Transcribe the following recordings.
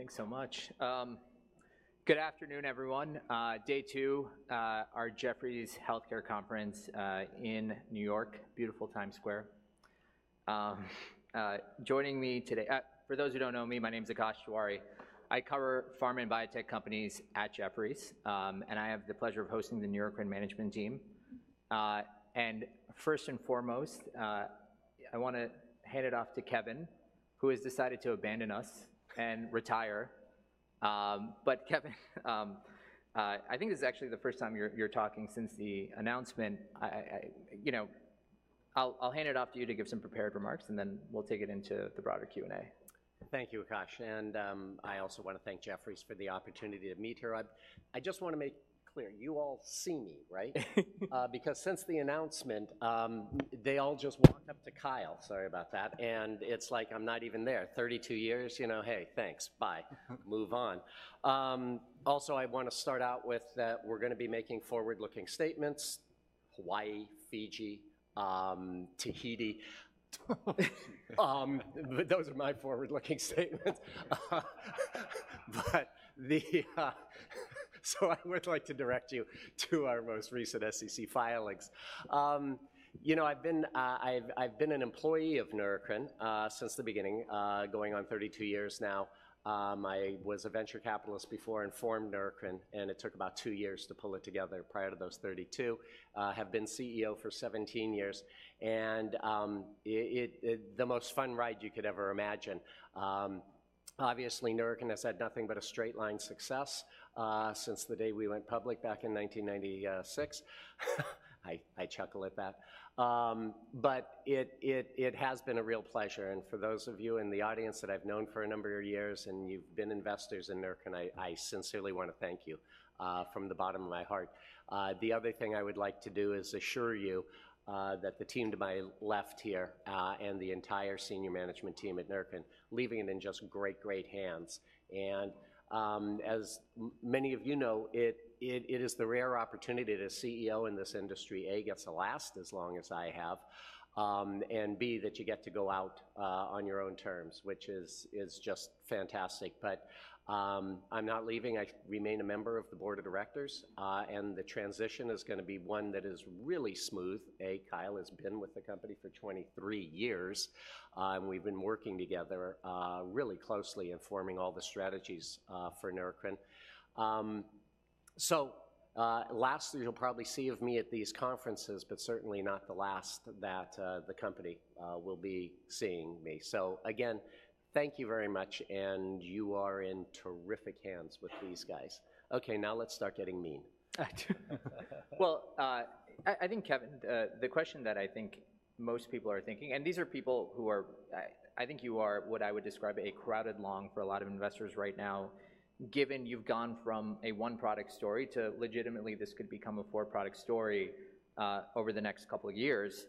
Thanks so much. Good afternoon, everyone. Day two of our Jefferies Healthcare Conference in New York, beautiful Times Square. Joining me today—for those who don't know me, my name's Akash Tewari. I cover pharma and biotech companies at Jefferies. And I have the pleasure of hosting the Neurocrine management team. And first and foremost, I wanna hand it off to Kevin, who has decided to abandon us and retire. But Kevin, I think this is actually the first time you're talking since the announcement. You know, I'll hand it off to you to give some prepared remarks, and then we'll take it into the broader Q&A. Thank you, Akash, and, I also wanna thank Jefferies for the opportunity to meet here. I just wanna make clear, you all see me, right? Because since the announcement, they all just walk up to Kyle. Sorry about that. And it's like I'm not even there. 32 years, you know, hey, thanks, bye. Move on. Also, I wanna start out with that we're gonna be making forward-looking statements, Hawaii, Fiji, Tahiti. But those are my forward-looking statements. But the... So I would like to direct you to our most recent SEC filings. You know, I've been an employee of Neurocrine since the beginning, going on 32 years now. I was a venture capitalist before and formed Neurocrine, and it took about two years to pull it together prior to those 32. have been CEO for 17 years, and the most fun ride you could ever imagine. Obviously, Neurocrine has had nothing but a straight line success since the day we went public back in 1996. I chuckle at that. But it has been a real pleasure, and for those of you in the audience that I've known for a number of years, and you've been investors in Neurocrine, I sincerely wanna thank you from the bottom of my heart. The other thing I would like to do is assure you that the team to my left here and the entire senior management team at Neurocrine, leaving it in just great, great hands. As many of you know, it is the rare opportunity that a CEO in this industry, A, gets to last as long as I have, and, B, that you get to go out on your own terms, which is just fantastic. But, I'm not leaving. I remain a member of the board of directors, and the transition is gonna be one that is really smooth. A, Kyle has been with the company for 23 years, and we've been working together really closely in forming all the strategies for Neurocrine. So, last that you'll probably see of me at these conferences, but certainly not the last that the company will be seeing me. So again, thank you very much, and you are in terrific hands with these guys. Okay, now let's start getting mean. Well, I think, Kevin, the question that I think most people are thinking, and these are people who are... I think you are, what I would describe, a crowded long for a lot of investors right now. Given you've gone from a one-product story to legitimately this could become a four-product story, over the next couple of years,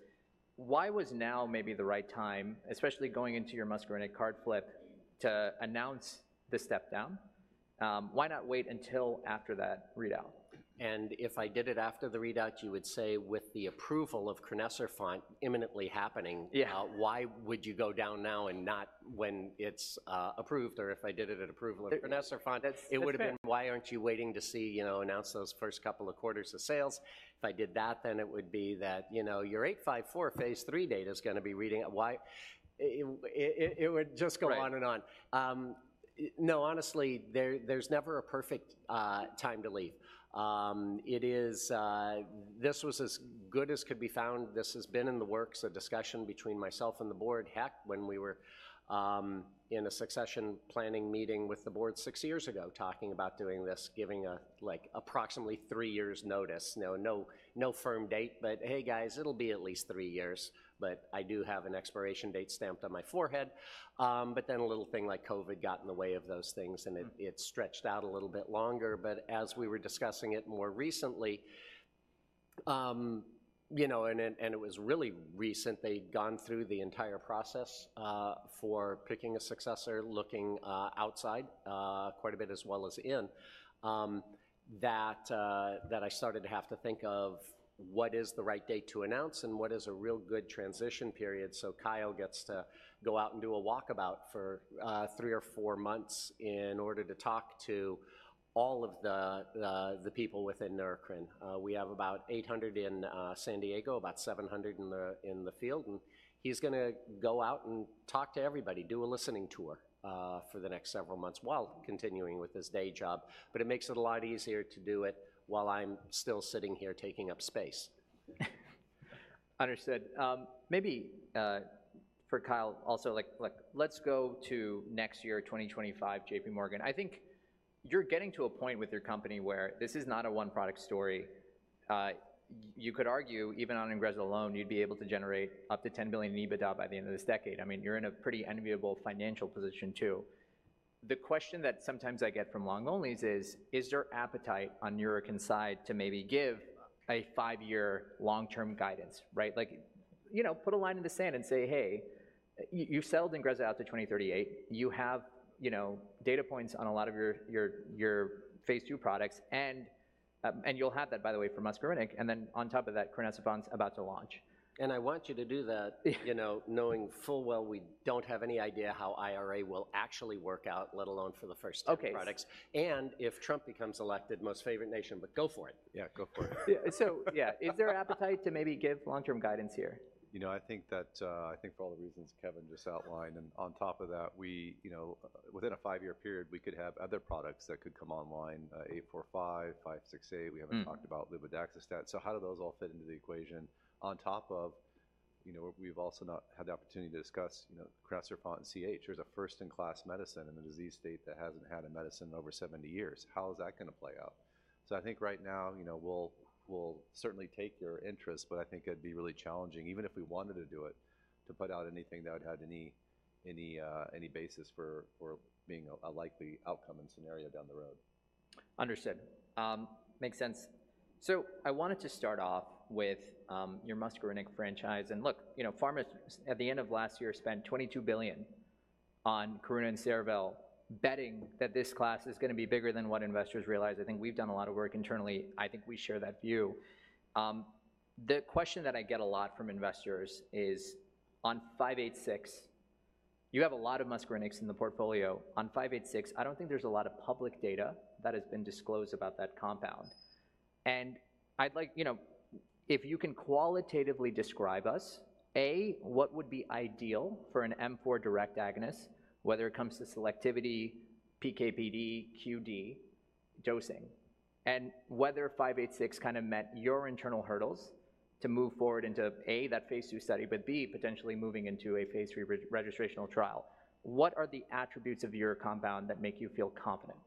why was now maybe the right time, especially going into your muscarinic card flip, to announce the step-down? Why not wait until after that readout? If I did it after the readout, you would say, with the approval of crinecerfont imminently happening. Yeah Why would you go down now and not when it's approved? Or if I did it at approval of crinecerfont- That, that's fair.... it would have been, "Why aren't you waiting to see, you know, announce those first couple of quarters of sales?" If I did that, then it would be that, you know, "Your 854 phase III data's gonna be reading, why..." It would just go on and on. Right. No, honestly, there's never a perfect time to leave. This was as good as could be found. This has been in the works, a discussion between myself and the board. Heck, when we were in a succession planning meeting with the board six years ago, talking about doing this, giving a, like, approximately three years notice, no, no, no firm date, but, "Hey, guys, it'll be at least three years, but I do have an expiration date stamped on my forehead." But then a little thing like COVID got in the way of those things and it stretched out a little bit longer. But as we were discussing it more recently, you know, and it was really recent. They'd gone through the entire process for picking a successor, looking outside quite a bit, as well as in, that I started to have to think of what is the right date to announce and what is a real good transition period so Kyle gets to go out and do a walkabout for three or four months in order to talk to all of the people within Neurocrine. We have about 800 in San Diego, about 700 in the field, and he's gonna go out and talk to everybody, do a listening tour for the next several months, while continuing with his day job. But it makes it a lot easier to do it while I'm still sitting here taking up space. Understood. Maybe, for Kyle also, like, look, let's go to next year, 2025, J.P. Morgan. I think you're getting to a point with your company where this is not a one-product story. You could argue, even on Ingrezza alone, you'd be able to generate up to $10 billion in EBITDA by the end of this decade. I mean, you're in a pretty enviable financial position, too. The question that sometimes I get from long-onlys is, is there appetite on Neurocrine's side to maybe give a five-year long-term guidance, right? Like, you know, put a line in the sand and say, "Hey, you've sold Ingrezza out to 2038. You have, you know, data points on a lot of your phase II products, and you'll have that, by the way, from muscarinic, and then on top of that, crinecerfont's about to launch. I want you to do that, you know, knowing full well we don't have any idea how IRA will actually work out, let alone for the first 10 products. Okay. If Trump becomes elected, most favored nation, but go for it. Yeah, go for it. Yeah. So, yeah, is there appetite to maybe give long-term guidance here? You know, I think that, I think for all the reasons Kevin just outlined, and on top of that, we, you know, within a five-year period, we could have other products that could come online, 845, 568. We haven't talked about luvadaxistat. So how do those all fit into the equation? On top of, you know, we've also not had the opportunity to discuss, you know, crinecerfont and CAH. There's a first-in-class medicine in a disease state that hasn't had a medicine in over 70 years. How is that gonna play out? So I think right now, you know, we'll certainly take your interest, but I think it'd be really challenging, even if we wanted to do it, to put out anything that would have any, any, any basis for being a likely outcome and scenario down the road. Understood. Makes sense. So I wanted to start off with your muscarinic franchise. And look, you know, pharma, at the end of last year, spent $22 billion on Karuna and Cerevel, betting that this class is gonna be bigger than what investors realize. I think we've done a lot of work internally. I think we share that view. The question that I get a lot from investors is on 568, you have a lot of muscarinics in the portfolio. On 568, I don't think there's a lot of public data that has been disclosed about that compound. I'd like, you know, if you can qualitatively describe us, A, what would be ideal for an M4 direct agonist, whether it comes to selectivity, PK/PD, QD, dosing, and whether five eight six kind of met your internal hurdles to move forward into, A, that phase II study, but B, potentially moving into a phase III re-registrational trial. What are the attributes of your compound that make you feel confident?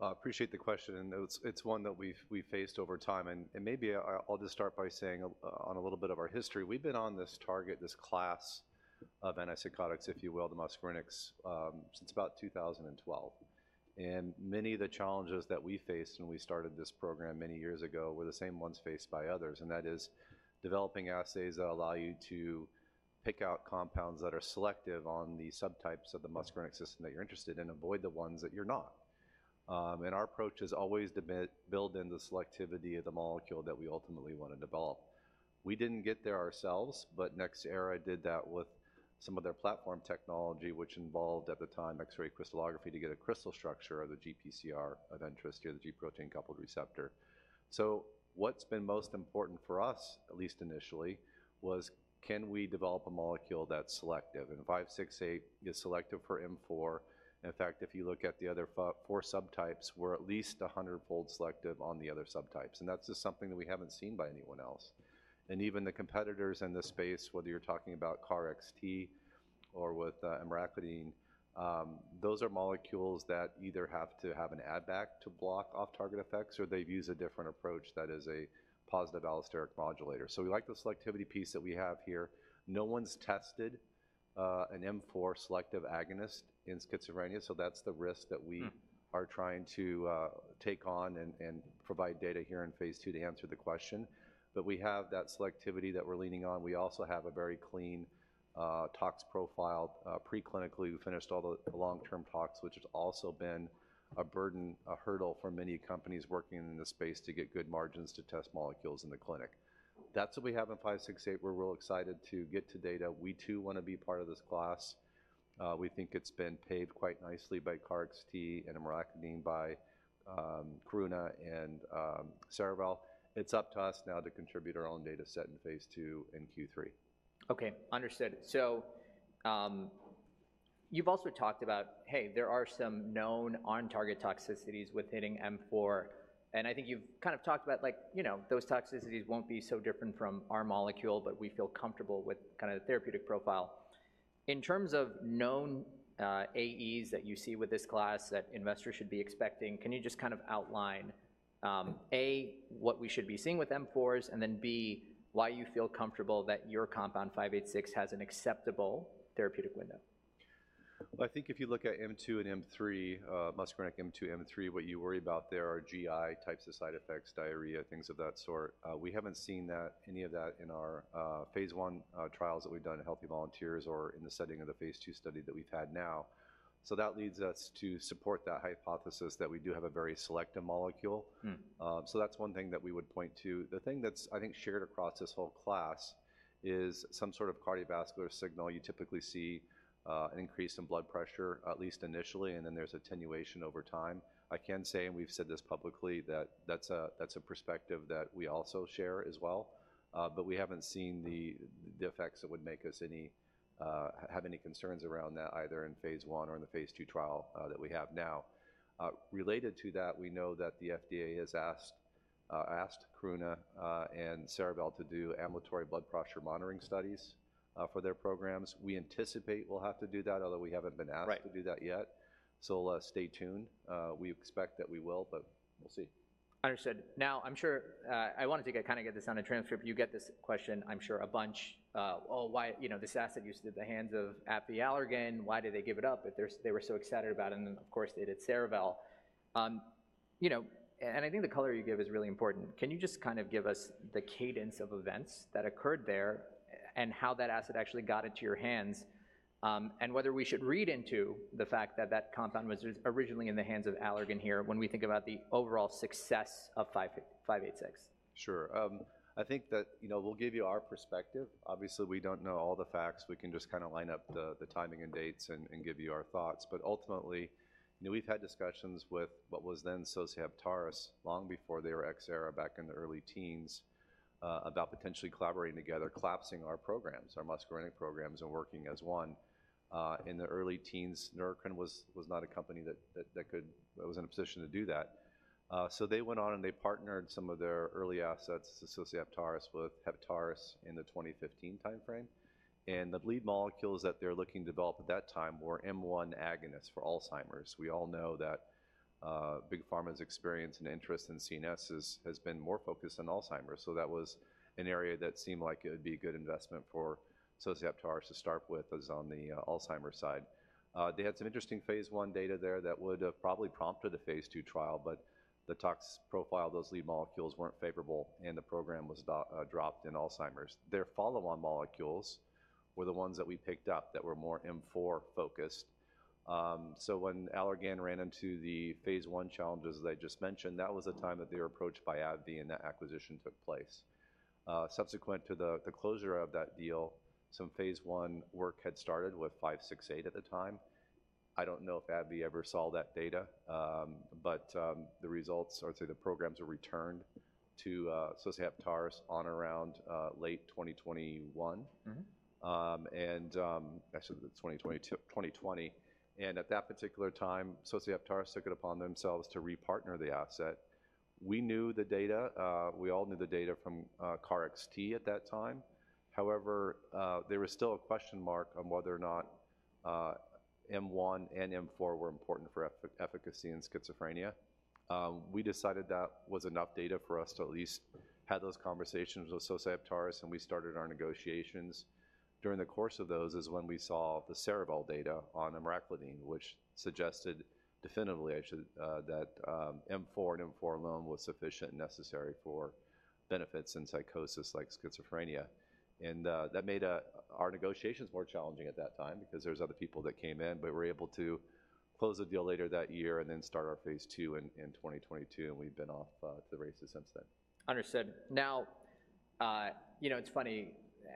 Appreciate the question, and it's one that we've faced over time, and maybe I'll just start by saying on a little bit of our history. We've been on this target, this class of antipsychotics, if you will, the muscarinics, since about 2012. Many of the challenges that we faced when we started this program many years ago were the same ones faced by others, and that is developing assays that allow you to pick out compounds that are selective on the subtypes of the muscarinic system that you're interested in and avoid the ones that you're not. And our approach is always to build in the selectivity of the molecule that we ultimately want to develop. We didn't get there ourselves, but Nxera did that with some of their platform technology, which involved, at the time, X-ray crystallography to get a crystal structure of the GPCR of interest or the G protein-coupled receptor. So what's been most important for us, at least initially, was: Can we develop a molecule that's selective? And five six eight is selective for M4. In fact, if you look at the other four subtypes, we're at least 100-fold selective on the other subtypes, and that's just something that we haven't seen by anyone else. And even the competitors in this space, whether you're talking about KarXT or with emraclidine, those are molecules that either have to have an add back to block off-target effects, or they've used a different approach that is a positive allosteric modulator. So we like the selectivity piece that we have here. No one's tested an M4 selective agonist in schizophrenia, so that's the risk that we are trying to take on and provide data here in phase II to answer the question. But we have that selectivity that we're leaning on. We also have a very clean tox profile. Preclinically, we finished all the long-term tox, which has also been a burden, a hurdle for many companies working in this space to get good margins to test molecules in the clinic. That's what we have in NBI-1117568. We're real excited to get to data. We, too, want to be part of this class. We think it's been paved quite nicely by KarXT and emraclidine by Karuna and Cerevel. It's up to us now to contribute our own data set in phase II and Q3. Okay, understood. So, you've also talked about, hey, there are some known on-target toxicities with hitting M4, and I think you've kind of talked about like, you know, "Those toxicities won't be so different from our molecule, but we feel comfortable with kind of the therapeutic profile." In terms of known, AEs that you see with this class that investors should be expecting, can you just kind of outline, A, what we should be seeing with M4s, and then, B, why you feel comfortable that your compound, 586, has an acceptable therapeutic window? Well, I think if you look at M2 and M3, muscarinic M2 and M3, what you worry about there are GI types of side effects, diarrhea, things of that sort. We haven't seen that, any of that in our, phase I, trials that we've done in healthy volunteers or in the setting of the phase II study that we've had now. So that leads us to support that hypothesis that we do have a very selective molecule. So that's one thing that we would point to. The thing that's, I think, shared across this whole class is some sort of cardiovascular signal. You typically see an increase in blood pressure, at least initially, and then there's attenuation over time. I can say, and we've said this publicly, that that's a perspective that we also share as well, but we haven't seen the effects that would make us have any concerns around that, either in phase I or in the phase II trial that we have now. Related to that, we know that the FDA has asked Karuna and Cerevel to do ambulatory blood pressure monitoring studies for their programs. We anticipate we'll have to do that, although we haven't been asked. Right To do that yet. So, stay tuned. We expect that we will, but we'll see. Understood. Now, I'm sure, I wanted to get, kind of get this on the transcript. You get this question, I'm sure, a bunch. Well, why— You know, this asset used to be at the hands of AbbVie, Allergan. Why did they give it up if they were so excited about it? And then, of course, they did Cerevel. You know, and I think the color you give is really important. Can you just kind of give us the cadence of events that occurred there and how that asset actually got into your hands, and whether we should read into the fact that that compound was originally in the hands of Allergan here, when we think about the overall success of five eight six? Sure. I think that, you know, we'll give you our perspective. Obviously, we don't know all the facts. We can just kinda line up the timing and dates and give you our thoughts. But ultimately, you know, we've had discussions with what was then Sosei Heptares, long before they were Nxera, back in the early teens, about potentially collaborating together, collapsing our programs, our muscarinic programs, and working as one. In the early teens, Neurocrine was not a company that could-- that was in a position to do that. So they went on, and they partnered some of their early assets, Sosei Heptares, with Heptares in the 2015 timeframe. And the lead molecules that they were looking to develop at that time were M1 agonists for Alzheimer's. We all know that Big Pharma's experience and interest in CNS has been more focused on Alzheimer's, so that was an area that seemed like it would be a good investment for Sosei Heptares to start with on the Alzheimer's side. They had some interesting phase I data there that would've probably prompted a phase II trial, but the tox profile of those lead molecules weren't favorable, and the program was dropped in Alzheimer's. Their follow-on molecules were the ones that we picked up that were more M4 focused. So when Allergan ran into the phase I challenges that I just mentioned, that was the time that they were approached by AbbVie, and that acquisition took place. Subsequent to the closure of that deal, some phase I work had started with 568 at the time. I don't know if AbbVie ever saw that data, but the results, or I'd say the programs, were returned to Sosei Heptares on or around late 2021. Mm-hmm. And, actually, the 2020 and at that particular time, Sosei Heptares took it upon themselves to repartner the asset. We knew the data. We all knew the data from KarXT at that time. However, there was still a question mark on whether or not M1 and M4 were important for efficacy in schizophrenia. We decided that was enough data for us to at least have those conversations with Sosei Heptares, and we started our negotiations. During the course of those is when we saw the Cerevel data on emraclidine, which suggested definitively, actually, that M4 and M4 alone was sufficient and necessary for benefits in psychosis like schizophrenia. That made our negotiations more challenging at that time because there was other people that came in, but we were able to close the deal later that year and then start our phase II in 2022, and we've been off to the races since then. Understood. Now, you know, it's funny,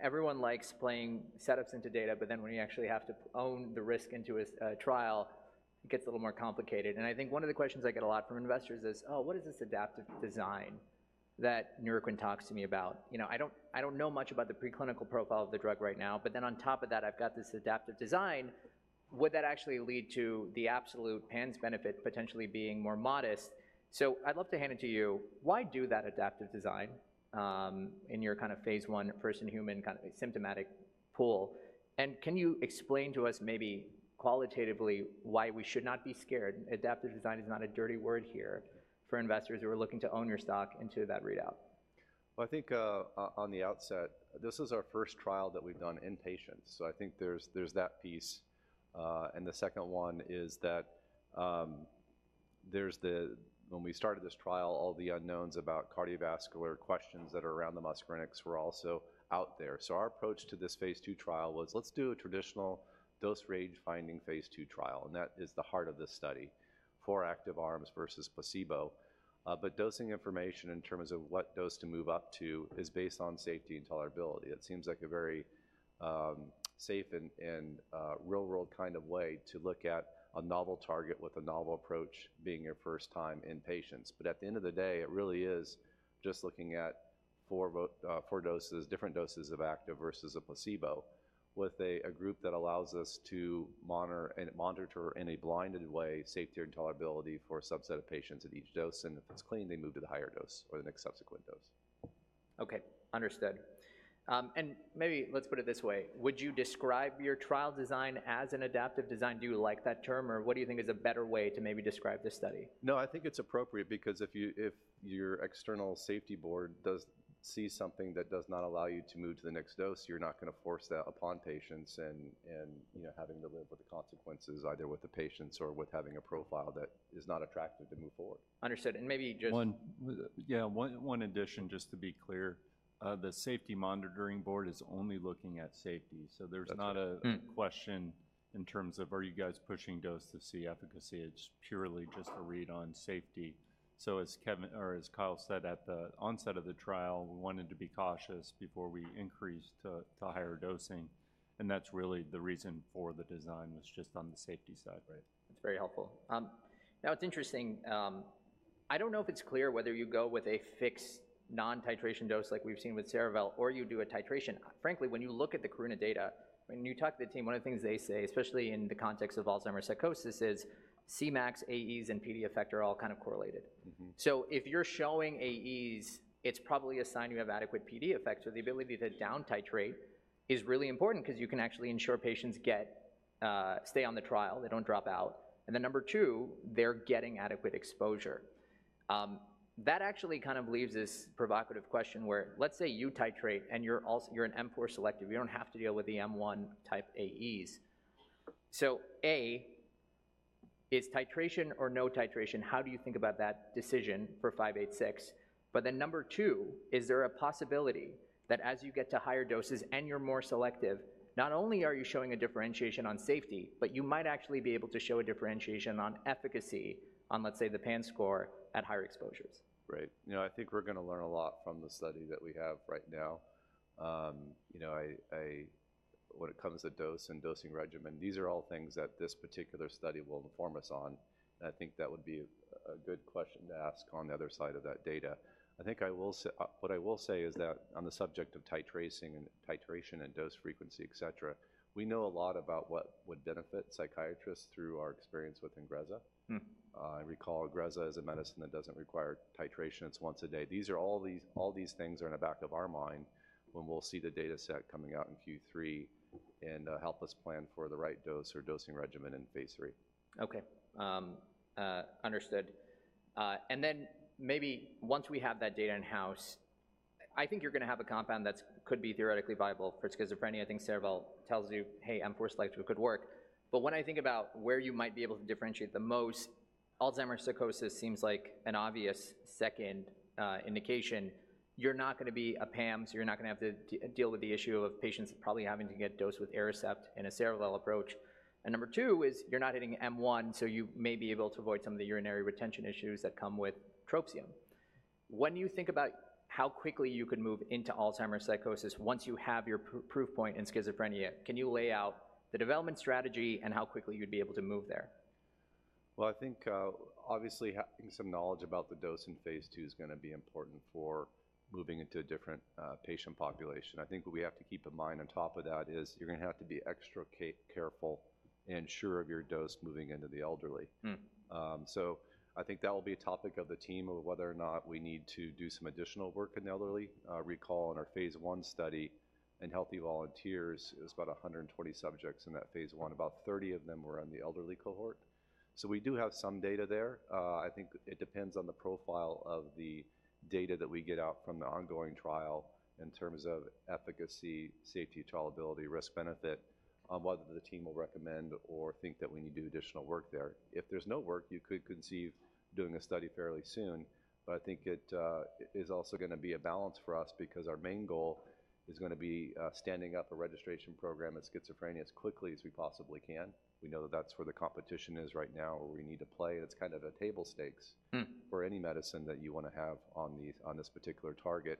everyone likes playing setups into data, but then when you actually have to own the risk into a trial, it gets a little more complicated. And I think one of the questions I get a lot from investors is: "Oh, what is this adaptive design that Neurocrine talks to me about? You know, I don't, I don't know much about the preclinical profile of the drug right now, but then on top of that, I've got this adaptive design. Would that actually lead to the absolute PANSS benefit potentially being more modest?" So I'd love to hand it to you. Why do that adaptive design in your kind of phase 1, first-in-human, kind of symptomatic pool? And can you explain to us, maybe qualitatively, why we should not be scared? Adaptive Design is not a dirty word here for investors who are looking to own your stock into that readout. Well, I think, on the outset, this is our first trial that we've done in patients, so I think there's that piece. And the second one is that, there's the... When we started this trial, all the unknowns about cardiovascular questions that are around the muscarinics were also out there. So our approach to this phase II trial was, let's do a traditional dose range-finding phase II trial, and that is the heart of this study, four active arms versus placebo. But dosing information in terms of what dose to move up to is based on safety and tolerability. It seems like a very safe and real-world kind of way to look at a novel target with a novel approach, being your first time in patients. But at the end of the day, it really is just looking at four doses, different doses of active versus a placebo, with a group that allows us to monitor in a blinded way, safety and tolerability for a subset of patients at each dose, and if it's clean, they move to the higher dose or the next subsequent dose. Okay, understood. And maybe let's put it this way: Would you describe your trial design as an adaptive design? Do you like that term, or what do you think is a better way to maybe describe this study? No, I think it's appropriate because if your external safety board does see something that does not allow you to move to the next dose, you're not gonna force that upon patients and, you know, having to live with the consequences, either with the patients or with having a profile that is not attractive to move forward. Understood, and maybe just- Yeah, one addition, just to be clear, the safety monitoring board is only looking at safety. That's right. So there's not a question in terms of, Are you guys pushing dose to see efficacy? It's purely just a read on safety. So as Kevin, or as Kyle said, at the onset of the trial, we wanted to be cautious before we increased to higher dosing, and that's really the reason for the design, was just on the safety side, right? That's very helpful. Now, it's interesting, I don't know if it's clear whether you go with a fixed non-titration dose like we've seen with Cerevel, or you do a titration. Frankly, when you look at the Karuna data, when you talk to the team, one of the things they say, especially in the context of Alzheimer's psychosis, is Cmax, AEs, and PD effect are all kind of correlated. Mm-hmm. So if you're showing AEs, it's probably a sign you have adequate PD effect. So the ability to down titrate is really important because you can actually ensure patients get, stay on the trial, they don't drop out, and then, number two, they're getting adequate exposure. That actually kind of leaves this provocative question where, let's say, you titrate and you're also, you're an M4 selective, you don't have to deal with the M1-type AEs. So, is titration or no titration, how do you think about that decision for 586? But then number two, is there a possibility that as you get to higher doses and you're more selective, not only are you showing a differentiation on safety, but you might actually be able to show a differentiation on efficacy on, let's say, the PANSS score at higher exposures? Right. You know, I think we're gonna learn a lot from the study that we have right now. You know, I, when it comes to dose and dosing regimen, these are all things that this particular study will inform us on, and I think that would be a good question to ask on the other side of that data. I think I will say what I will say is that on the subject of titrating and titration and dose frequency, et cetera, we know a lot about what would benefit psychiatrists through our experience with Ingrezza. I recall Ingrezza is a medicine that doesn't require titration. It's once a day. These are all these things are in the back of our mind when we'll see the data set coming out in Q3 and help us plan for the right dose or dosing regimen in phase III. Okay. Understood. And then maybe once we have that data in-house, I think you're gonna have a compound that could be theoretically viable for schizophrenia. I think Cerevel tells you, "Hey, M4 selective could work." But when I think about where you might be able to differentiate the most, Alzheimer's psychosis seems like an obvious second indication. You're not gonna be a PAM, you're not gonna have to deal with the issue of patients probably having to get dosed with Aricept in a Cerevel approach. And number two is, you're not hitting M1, so you may be able to avoid some of the urinary retention issues that come with trospium. When you think about how quickly you could move into Alzheimer's psychosis once you have your proof point in schizophrenia, can you lay out the development strategy and how quickly you'd be able to move there? Well, I think, obviously, having some knowledge about the dose in phase II is gonna be important for moving into a different patient population. I think what we have to keep in mind on top of that is, you're gonna have to be extra careful and sure of your dose moving into the elderly. So I think that will be a topic of the team of whether or not we need to do some additional work in the elderly. Recall in our phase I study in healthy volunteers, it was about 120 subjects in that phase I. About 30 of them were on the elderly cohort. So we do have some data there. I think it depends on the profile of the data that we get out from the ongoing trial in terms of efficacy, safety, tolerability, risk-benefit, on whether the team will recommend or think that we need to do additional work there. If there's no work, you could conceive doing a study fairly soon, but I think it is also gonna be a balance for us because our main goal is gonna be standing up a registration program in schizophrenia as quickly as we possibly can. We know that that's where the competition is right now, where we need to play. It's kind of the table stakes for any medicine that you wanna have on this particular target.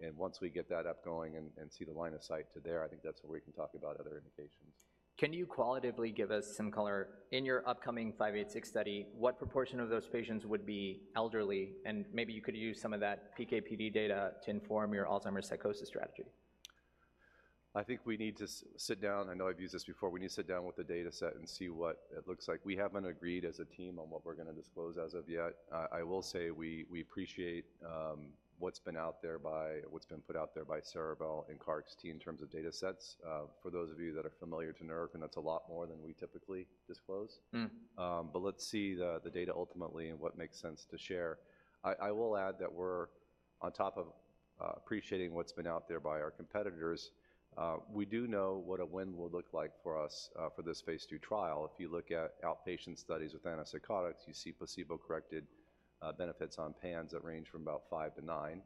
And once we get that up and going and see the line of sight to there, I think that's where we can talk about other indications. Can you qualitatively give us some color? In your upcoming 586 study, what proportion of those patients would be elderly? And maybe you could use some of that PK/PD data to inform your Alzheimer's psychosis strategy. I think we need to sit down, I know I've used this before. We need to sit down with the data set and see what it looks like. We haven't agreed as a team on what we're gonna disclose as of yet. I will say we appreciate what's been put out there by Cerevel and KarXT in terms of data sets. For those of you that are familiar with Neurocrine, and that's a lot more than we typically disclose. But let's see the data ultimately and what makes sense to share. I will add that we're on top of appreciating what's been out there by our competitors. We do know what a win will look like for us for this phase II trial. If you look at outpatient studies with antipsychotics, you see placebo-corrected benefits on PANSS that range from about 5-9.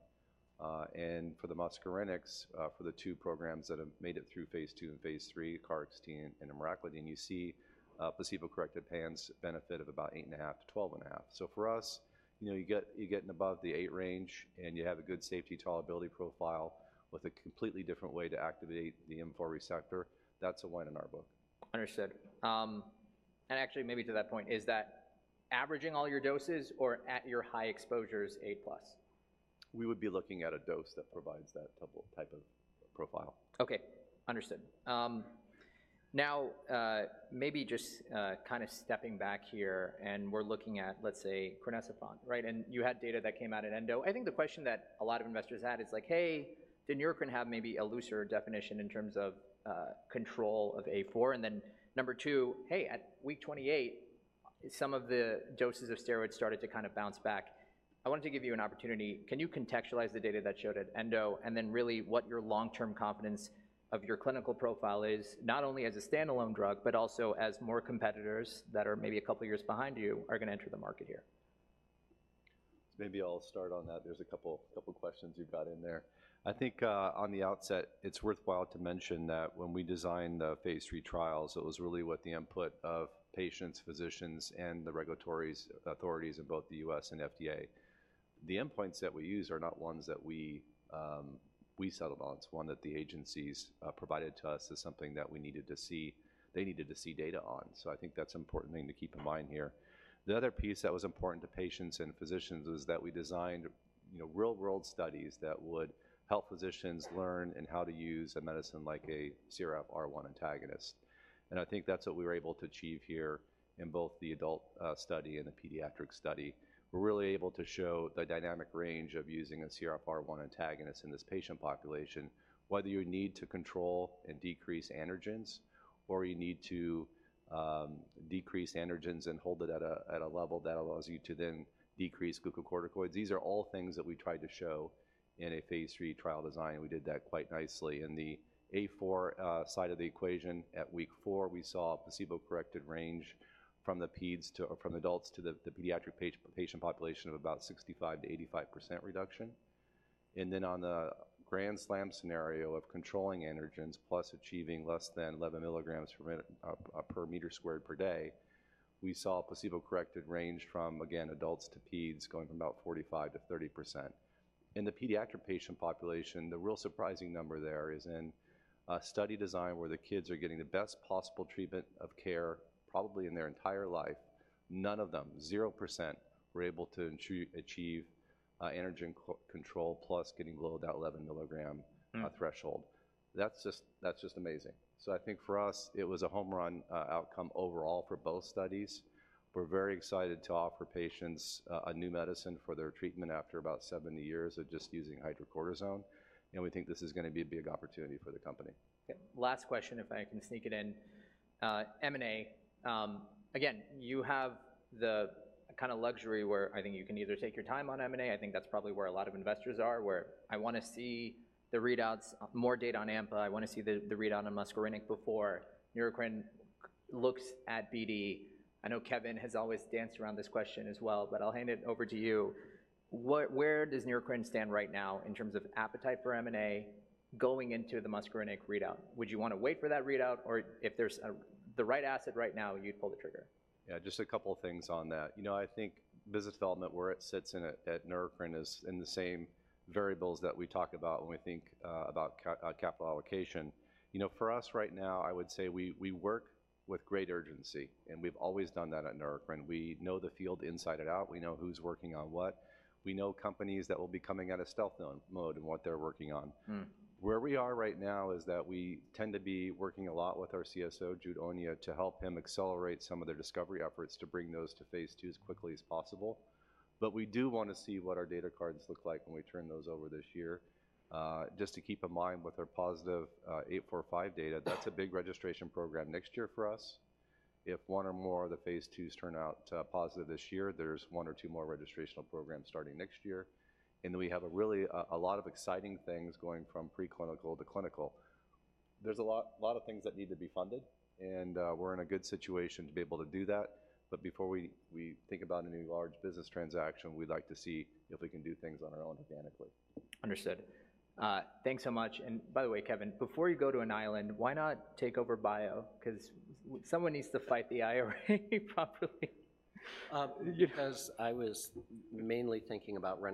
And for the muscarinics, for the two programs that have made it through phase II and phase III, KarXT and emraclidine, you see a placebo-corrected PANSS benefit of about 8.5-12.5. So for us, you know, you're getting above the 8 range, and you have a good safety tolerability profile with a completely different way to activate the M4 receptor. That's a win in our book. Understood. Actually, maybe to that point, is that averaging all your doses or at your high exposures 8+? We would be looking at a dose that provides that type of profile. Okay, understood. Now, maybe just kind of stepping back here, and we're looking at, let's say, crinecerfont, right? And you had data that came out at ENDO. I think the question that a lot of investors had is like: "Hey, did Neurocrine have maybe a looser definition in terms of control of A4?" And then number two: "Hey, at week 28, some of the doses of steroids started to kind of bounce back." I wanted to give you an opportunity. Can you contextualize the data that showed at ENDO, and then really what your long-term confidence of your clinical profile is, not only as a standalone drug, but also as more competitors that are maybe a couple of years behind you, are gonna enter the market here? Maybe I'll start on that. There's a couple questions you've got in there. I think, on the outset, it's worthwhile to mention that when we designed the phase III trials, it was really with the input of patients, physicians, and the regulatory authorities in both the U.S. and FDA. The endpoints that we use are not ones that we settled on. It's one that the agencies provided to us as something that we needed to see. They needed to see data on. So I think that's an important thing to keep in mind here. The other piece that was important to patients and physicians was that we designed, you know, real-world studies that would help physicians learn how to use a medicine like a CRF1 R1 antagonist. I think that's what we were able to achieve here in both the adult study and the pediatric study. We're really able to show the dynamic range of using a CRF1 antagonist in this patient population. Whether you need to control and decrease androgens, or you need to decrease androgens and hold it at a level that allows you to then decrease glucocorticoids. These are all things that we tried to show in a phase III trial design, and we did that quite nicely. In the A4 side of the equation, at week 4, we saw a placebo-corrected range from the pediatric patient population of about 65%-85% reduction. Then on the grand slam scenario of controlling androgens, plus achieving less than 11 mg per meter squared per day, we saw a placebo-corrected range from, again, adults to peds, going from about 45%-30%. In the pediatric patient population, the real surprising number there is in a study design where the kids are getting the best possible treatment of care, probably in their entire life, none of them, 0%, were able to achieve androgen control, plus getting below that 11-milligram threshold. That's just, that's just amazing. So I think for us, it was a home run outcome overall for both studies. We're very excited to offer patients a new medicine for their treatment after about 70 years of just using hydrocortisone, and we think this is gonna be a big opportunity for the company. Okay, last question, if I can sneak it in. M&A, again, you have the kinda luxury where I think you can either take your time on M&A. I think that's probably where a lot of investors are, where I wanna see the readouts, more data on AMPA. I wanna see the readout on muscarinic before Neurocrine looks at BD. I know Kevin has always danced around this question as well, but I'll hand it over to you. Where does Neurocrine stand right now in terms of appetite for M&A, going into the muscarinic readout? Would you wanna wait for that readout, or if there's the right asset right now, you'd pull the trigger? Yeah, just a couple of things on that. You know, I think business development, where it sits in at, at Neurocrine, is in the same variables that we talk about when we think about capital allocation. You know, for us right now, I would say we, we work with great urgency, and we've always done that at Neurocrine. We know the field inside and out. We know who's working on what. We know companies that will be coming out of stealth mode and what they're working on. Where we are right now is that we tend to be working a lot with our CSO, Jude Onyia, to help him accelerate some of their discovery efforts to bring those to phase II as quickly as possible. But we do wanna see what our data cards look like when we turn those over this year. Just to keep in mind, with our positive 845 data, that's a big registration program next year for us. If one or more of the phase IIs turn out positive this year, there's one or two more registrational programs starting next year, and then we have a really, a, a lot of exciting things going from preclinical to clinical. There's a lot, lot of things that need to be funded, and we're in a good situation to be able to do that. But before we think about any large business transaction, we'd like to see if we can do things on our own organically. Understood. Thanks so much. And by the way, Kevin, before you go to an island, why not take over BIO? 'Cause someone needs to fight the IRA properly. Because I was mainly thinking about where-